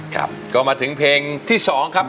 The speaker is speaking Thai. ครับก็มาถึงเพลงที่๒ครับ